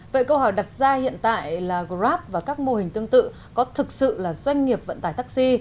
vậy câu hỏi đặt ra hiện tại là grab và các mô hình tương tự có thực sự là doanh nghiệp vận tải taxi